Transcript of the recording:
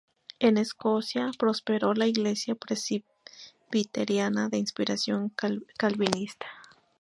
En Escocia prosperó la Iglesia presbiteriana de inspiración calvinista.